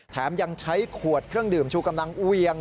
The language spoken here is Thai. แถมยังใช้ขวดเครื่องดื่มชูกำลังเวียง